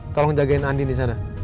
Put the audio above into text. tolong jagain andi di sana